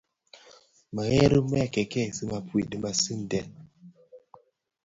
Mërèli më mè kèkèsi mëpuid dhi mësinden.